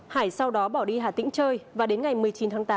hải sau đó bỏ đi hà tĩnh chơi và đến ngày một mươi chín tháng tám